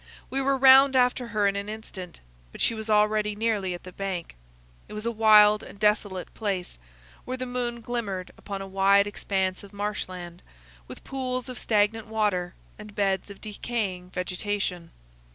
We were round after her in an instant, but she was already nearly at the bank. It was a wild and desolate place, where the moon glimmered upon a wide expanse of marsh land, with pools of stagnant water and beds of decaying vegetation.